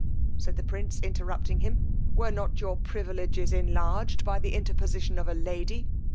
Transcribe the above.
said the prince interrupting him, were not your privileges enlarged by the interposition of a lady?